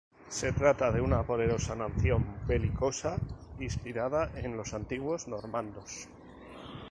Se trata de una poderosa nación belicosa, inspirada en los antiguos normandos.